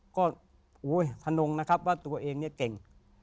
ก็พนงนะครับว่าตัวเองเนี่ยเก่ง